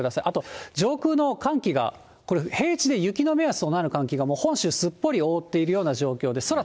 あと上空の寒気がこれ、平地で雪の目安となる寒気が本州すっぽり覆っているような状況です。